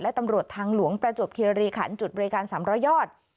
และตำรวจทางหลวงประจวบคิริขันจุดบริการ๓๐๐ยอด